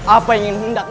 apa yang hendak